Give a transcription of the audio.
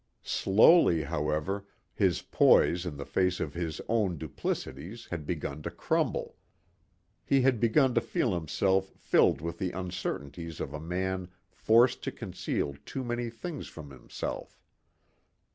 Slowly, however, his poise in the face of his own duplicities had begun to crumble. He had begun to feel himself filled with the uncertainties of a man forced to conceal too many things from himself.